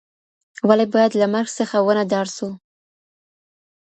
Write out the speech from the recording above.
ولي باید له مرګ څخه ونه ډار سو؟